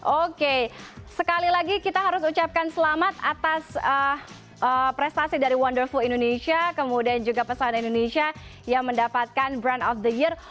oke sekali lagi kita harus ucapkan selamat atas prestasi dari wonderful indonesia kemudian juga pesan indonesia yang mendapatkan brand of the year